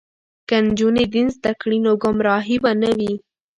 که نجونې دین زده کړي نو ګمراهي به نه وي.